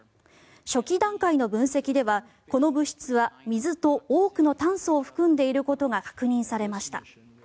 初期段階の分析ではこの物質は水と多くの炭素を含んでいることが確認されました。